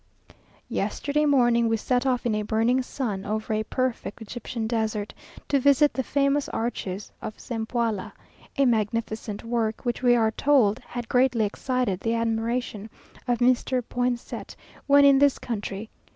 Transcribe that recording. Yesterday morning we set off in a burning sun, over a perfect Egyptian desert, to visit the famous arches of Cempoala, a magnificent work, which we are told had greatly excited the admiration of Mr. Poinsett when in this country.